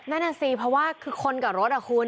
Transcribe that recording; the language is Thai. นั่นน่ะสิเพราะว่าคือคนกับรถอ่ะคุณ